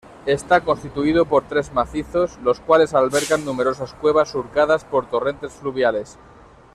Está constituido por tres macizos, los cuales albergan numerosas cuevas surcadas por torrentes fluviales.